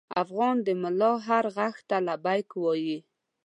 افغان د ملا هر غږ ته لبیک وايي.